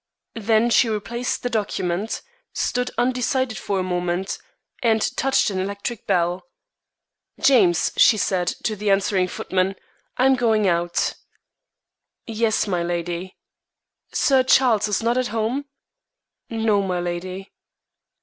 Then she replaced the document, stood undecided for a moment, and touched an electric bell. "James," she said, to the answering footman, "I am going out." "Yes, milady." "Sir Charles is not at home?" "No, milady."